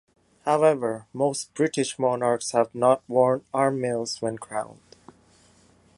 However most British monarchs have not worn armills when crowned.